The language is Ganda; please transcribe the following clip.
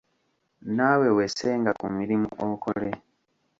Naawe wessenga ku mirimu okole.